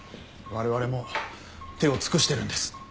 我々も手を尽くしてるんです。